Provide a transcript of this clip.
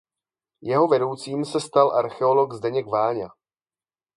Jeho vedoucím se stal archeolog Zdeněk Váňa.